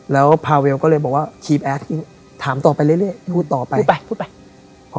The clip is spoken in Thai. แล้วพาเวลก็เลยบอกว่าถามต่อไปเรื่อยเรื่อยพูดต่อไปพูดไปพูดไป